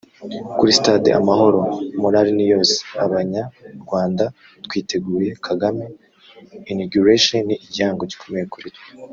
Kuri stade Amahoro moral ni yose Abanya #Rwanda twiteguye #Kagame Inauguration ni igihango gikomeye kuri twe